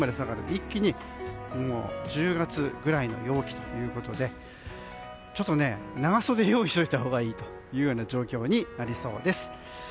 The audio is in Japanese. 一気に今後、１０月ぐらいの陽気ということで長袖を用意しておいたほうがいい状況になりそうです。